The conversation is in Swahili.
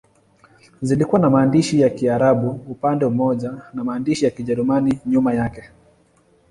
Zilikuwa na maandishi ya Kiarabu upande mmoja na maandishi ya Kijerumani nyuma yake.